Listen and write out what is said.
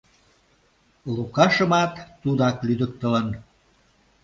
Лукашымат тудак лӱдыктылын.